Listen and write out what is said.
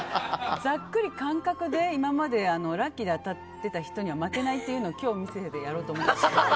ざっくり感覚で今までラッキーで当たってた人には負けないっていうのを今日見せてやろうと思います。